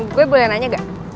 gue boleh nanya ga